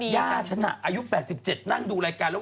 ย่าฉันอายุ๘๗นั่งดูรายการแล้ว